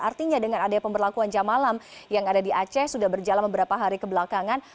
artinya dengan adanya pemberlakuan jam malam yang ada di aceh sudah berjalan beberapa hari kebelakangan